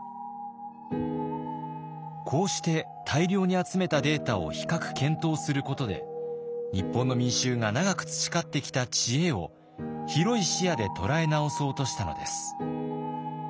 こうして大量に集めたデータを比較検討することで日本の民衆が長く培ってきた知恵を広い視野で捉え直そうとしたのです。